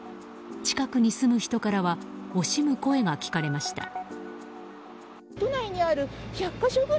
近くに住む人からは惜しむ声が聞かれました。